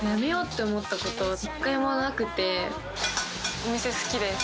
お店好きです。